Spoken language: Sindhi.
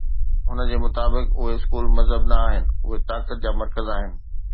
هن جي مطابق، اهي اسڪول مذهب نه آهن، اهي طاقت جا مرڪز آهن.